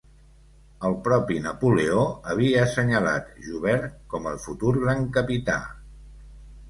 El propi Napoleó havia assenyalat Joubert com el futur gran capità.